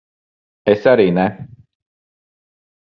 Es arī ne.